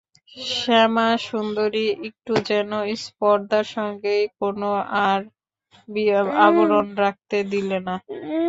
শ্যামাসুন্দরী একটু যেন স্পর্ধার সঙ্গেই কোনো আর আবরণ রাখতে দিলে না।